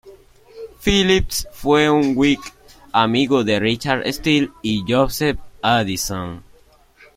Philips fue un whig, amigo de Richard Steele y Joseph Addison.